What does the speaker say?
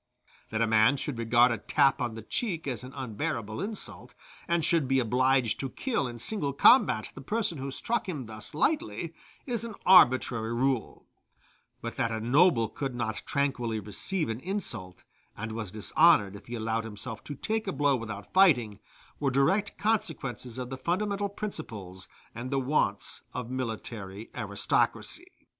That a man should regard a tap on the cheek as an unbearable insult, and should be obliged to kill in single combat the person who struck him thus lightly, is an arbitrary rule; but that a noble could not tranquilly receive an insult, and was dishonored if he allowed himself to take a blow without fighting, were direct consequences of the fundamental principles and the wants of military aristocracy.